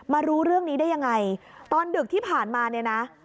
รู้เรื่องนี้ได้ยังไงตอนดึกที่ผ่านมาเนี่ยนะ